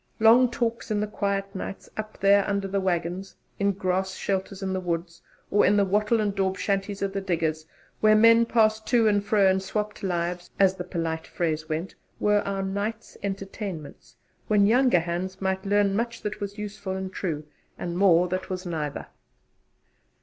Long talks in the quiet nights up there under waggons, in grass shelters in the woods, or in the wattle and daub shanties of the diggers, where men passed to and fro and swapped lies, as the polite phrase went, were our 'night's entertainments,' when younger hands might learn much that was useful and true, and more that was neither.